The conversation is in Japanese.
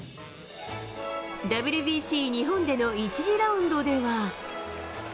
ＷＢＣ日本での１次ラウンドでは。